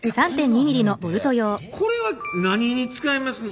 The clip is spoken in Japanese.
これは何に使いますの？